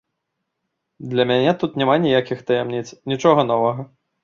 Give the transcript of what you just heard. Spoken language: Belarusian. Для мяне тут няма ніякіх таямніц, нічога новага.